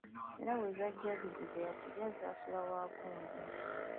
Era bwe zajja zingubyaggubya zansuula wa gundi.